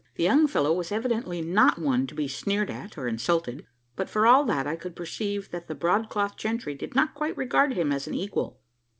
The young fellow was evidently not one to be sneered at or insulted; but, for all that, I could perceive that the broad cloth gentry did not quite regard him as an equal.